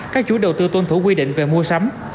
các chủ đầu tư tuân thủ quy định về mua sắm